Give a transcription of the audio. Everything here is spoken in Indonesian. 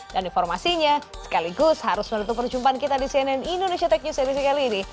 dan informasinya sekaligus harus menutup perjumpaan kita di cnn indonesia tech news episode kali ini